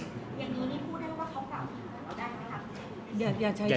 อย่างนี้พูดว่าเข้าจากให้เป็นจริงได้หมดคะครับ